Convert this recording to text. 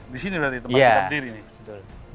disini berarti tempat kita berdiri nih